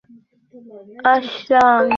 আমি বাথরুম থেকে আসলাম, সে মরে গেছে রে ভাই!